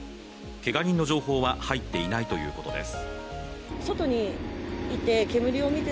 けが人の情報は入っていないということです。